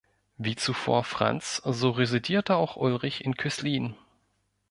Wie zuvor Franz, so residierte auch Ulrich in Köslin.